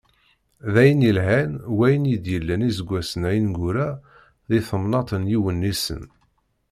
D ayen yelhan wayen i d-yellan iseggasen-a ineggura di temnaḍt n Yiwennisen.